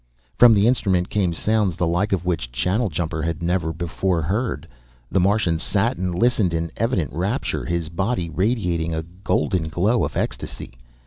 From the instrument came sounds the like of which Channeljumper had never before heard. The Martian sat and listened in evident rapture, his body radiating a golden glow of ecstasy.